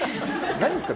何ですか？